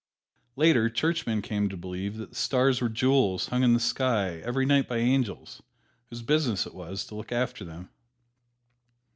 Later, Churchmen came to believe that the stars were jewels hung in the sky every night by angels whose business it was to look after them.